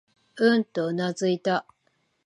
うん、とうなずいた。